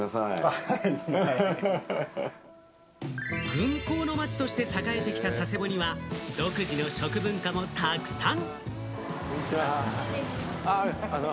軍港の町として栄えてきた佐世保には独自の食文化もたくさん。